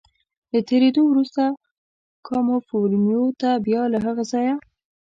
له تېرېدو وروسته کاموفورمیو ته، بیا له هغه ځایه.